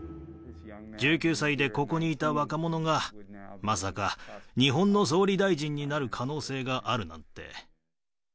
１９歳でここにいた若者が、まさか、日本の総理大臣になる可能性があるなんて。